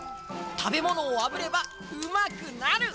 たべものをあぶればうまくなる！